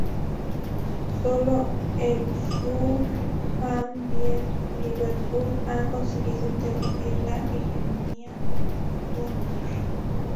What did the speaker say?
Sólo el Fulham y el Liverpool han conseguido interrumpir la hegemonía gunner.